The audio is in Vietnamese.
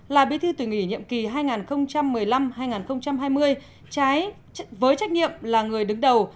là bí thư tỉnh ủy nhiệm kỳ hai nghìn một mươi năm hai nghìn hai mươi trái với trách nhiệm là người đứng đầu